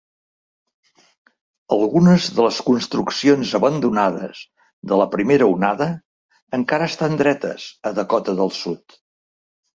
Algunes de les construccions abandonades de la primera onada encara estan dretes a Dakota del Sud.